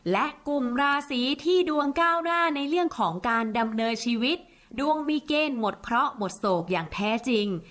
และกลุ่มราศีที่ดวงก้าวหน้าในเรื่องของการดำเนินชีวิตดวงมีเกณฑ์หมดเคราะห์หมดโศกอย่างแท้จริง